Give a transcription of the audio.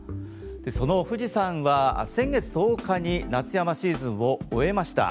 その富士山は先月１０日に夏山シーズンを終えました。